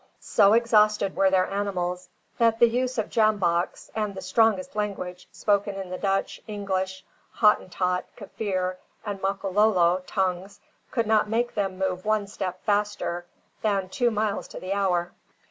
So exhausted were their animals that the use of jamboks and the strongest language, spoken in the Dutch, English, Hottentot, Kaffir, and Makololo tongues could not make them move one step faster than two miles to the hour.